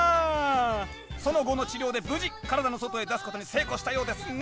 その後の治療で無事体の外へ出すことに成功したようですが！